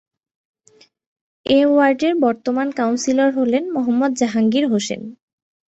এ ওয়ার্ডের বর্তমান কাউন্সিলর হলেন মোহাম্মদ জাহাঙ্গীর হোসেন।